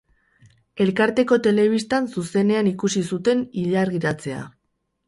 Elkarteko telebistan zuzenean ikusi zuten ilargiratzea.